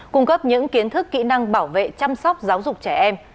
cung cấp những kiến thức kỹ năng bảo vệ chăm sóc giáo dục trẻ em